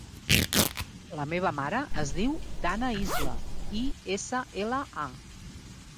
La meva mare es diu Dana Isla: i, essa, ela, a.